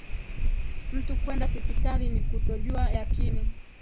Mtu kwenda sipitali, ni kutojuwa yakini,